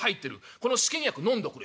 この試験薬のんどくれ」。